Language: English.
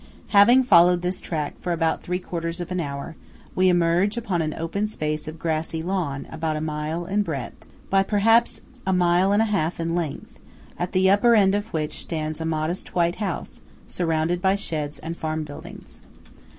Having followed this track for about three quarters of an hour, we emerge upon an open space of grassy lawn about a mile in breadth by perhaps a mile and a half in length, at the upper end of which stands a modest white house surrounded by sheds and farm buildings.